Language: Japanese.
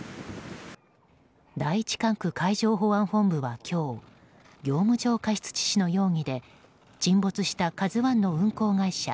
第１管区海上保安本部は今日業務上過失致死の容疑で沈没した「ＫＡＺＵ１」の運航会社